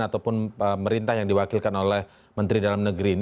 ataupun pemerintah yang diwakilkan oleh menteri dalam negeri ini